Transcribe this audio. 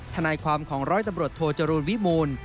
ทนายความของร้อยตำรวจโทจรูลวิมูล